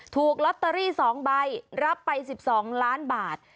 ถูกลอตเตอรี่๒ใบรับไป๑๒ล้านบาท